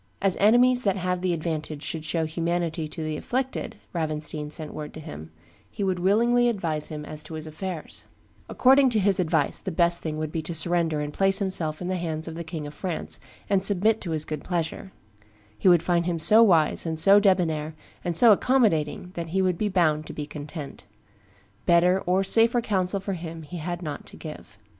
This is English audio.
"As enemies that have the advantage should show humanity to the afflicted," Ravenstein sent word to him, "he would willingly advise him as to his affairs; according to his advice, the best thing would be to surrender and place himself in the hands of the King of France, and submit to his good pleasure; he would find him so wise, and so debonnair, and so accommodating, that he would be bound to be content. Better or safer counsel for him he had not to give."